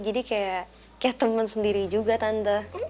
jadi kayak temen sendiri juga tante